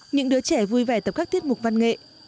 những đứa trẻ vui vẻ tập các tiết mục văn nghệ